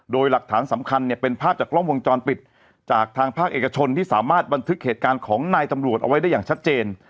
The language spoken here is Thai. โดยหลักฐานสำคัญเนี่ยเป็นภาพจากกล้องวงจรปิดจากทางภาคเอกชนที่สามารถบันทึกเหตุการณ์ของนายตำรวจเอาไว้ได้อย่างชัดเจน